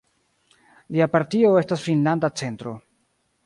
Lia partio estas Finnlanda Centro.